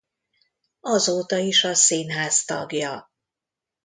Azóta is a színház tagja.